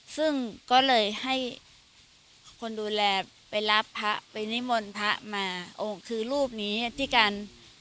ซึ่งก็เลยให้คนดูแลไปรับพระไปนิมนต์พระมาโอ้คือรูปนี้ที่การ